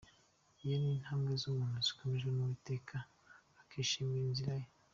Iyo intambwe z’umuntu zikomejwe n’Uwiteka, Akishimira inzira ye